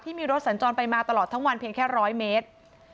มีรถสัญจรไปมาตลอดทั้งวันเพียงแค่๑๐๐เมตร